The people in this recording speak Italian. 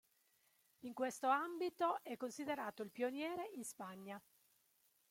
In questo ambito è considerato il pioniere in Spagna.